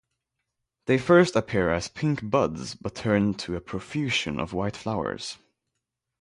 They first appear as pink buds but turn to a profusion of white flowers.